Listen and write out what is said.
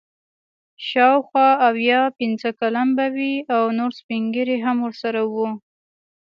شاوخوا اویا پنځه کلن به وي او نور سپین ږیري هم ورسره وو.